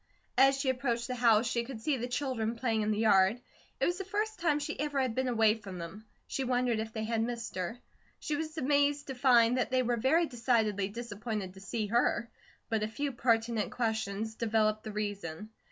As she approached the house she could see the children playing in the yard. It was the first time she ever had been away from them; she wondered if they had missed her. She was amazed to find that they were very decidedly disappointed to see her; but a few pertinent questions developed the reason.